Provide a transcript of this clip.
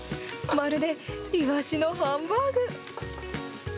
まるでいわしのハンバーグ。